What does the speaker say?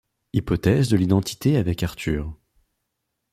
Hypothèse de l'identité avec Arthur.